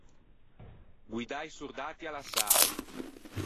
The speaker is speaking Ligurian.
Guiddâ i sordatti à l’assato.